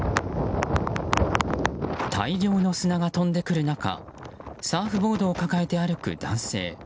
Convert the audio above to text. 大量の砂が飛んでくる中サーフボードを抱えて歩く男性。